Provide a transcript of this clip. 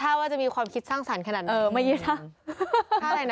ถ้าว่าจะมีความคิดสร้างสรรค์ขนาดนี้